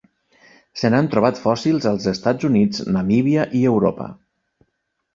Se n'han trobat fòssils als Estats Units, Namíbia i Europa.